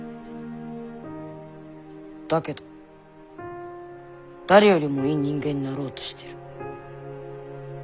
だけど誰よりもいい人間になろうとしてる。